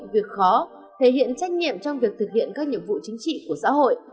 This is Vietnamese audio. việc khó thể hiện trách nhiệm trong việc thực hiện các nhiệm vụ chính trị của xã hội